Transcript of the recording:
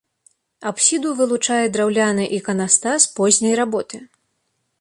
Апсіду вылучае драўляны іканастас позняй работы.